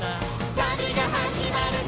「旅が始まるぞ！」